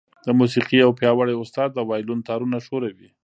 د موسيقۍ يو پياوړی استاد د وايلون تارونه ښوروي.